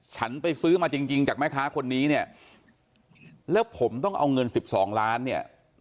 ฉันไปซื้อมาจริงจริงจากแม่ค้าคนนี้เนี่ยแล้วผมต้องเอาเงิน๑๒ล้านเนี่ย